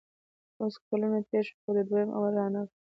اوس کلونه تېر شول خو دویم امر رانغی